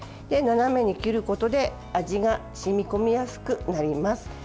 斜めに切ることで味が染み込みやすくなります。